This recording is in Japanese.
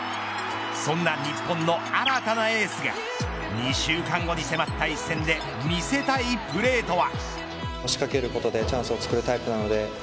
そんな日本の新たなエースが２週間後に迫った１戦で見せたいプレーとは。